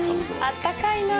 あったかいな。